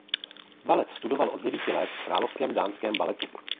Balet studoval od devíti let v Královském dánském baletu.